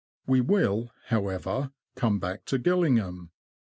We will, however, come back to Gillingham.